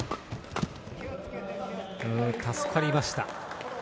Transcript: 助かりました。